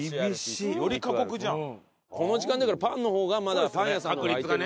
この時間だから「パン」の方がまだパン屋さんの方が開いてる。